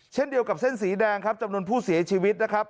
เช่นเดียวกับเส้นสีแดงครับจำนวนผู้เสียชีวิตนะครับ